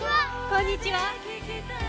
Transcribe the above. こんにちは。